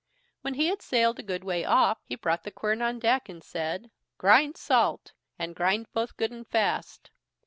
When he had sailed a good way off, he brought the quern on deck and said: "Grind salt, and grind both good and fast."